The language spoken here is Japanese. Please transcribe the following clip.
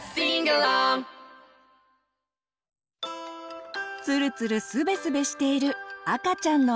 ツルツルスベスベしている赤ちゃんの肌。